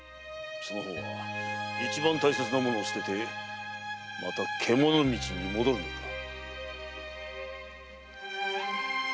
その方は一番大切なものを捨ててまた獣道に戻るのか。